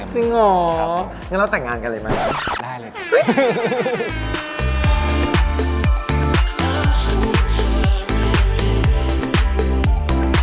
จริงเหรออย่างงี้เราแต่งงานกันเลยมั้ยได้เลยครับ